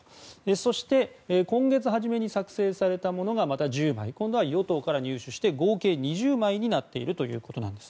そして、今月初めに作成されたものがまた１０枚今度は与党から入手して、合計２０枚になっているということです。